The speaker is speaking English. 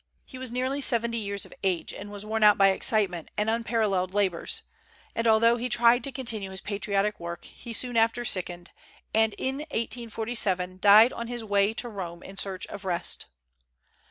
He was nearly seventy years of age, and was worn out by excitement and unparalleled labors; and although he tried to continue his patriotic work, he soon after sickened, and in 1847 died on his way to Rome in search of rest.